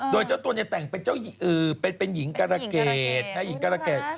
โดยเจ้าตัวเนี่ยแต่งเป็นอย่างหญิงกรรเกด